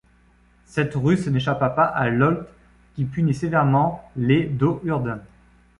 Cette ruse n'échappa pas à Lolth qui punit sévèrement les Do'Urden.